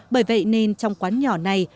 bởi vậy nên trong quán nhỏ này